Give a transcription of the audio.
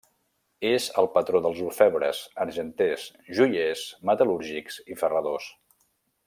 És el patró dels orfebres, argenters, joiers, metal·lúrgics i ferradors.